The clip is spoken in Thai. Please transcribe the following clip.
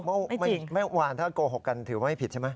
ไม่จริงไม่ว่างถ้ากโกหกกันถือไม่ผิดใช่ไหม